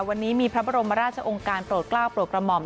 วันนี้มีพระบรมราชองค์การโปรดกล้าวโปรดกระหม่อม